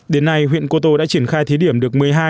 đến nay huyện cô tô đã triển khai thí điểm được một mươi hai